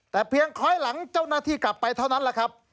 แต่เพียงคล้อยหลังเจ้าหน้าที่กลับไปเท่านั้นแหละครับ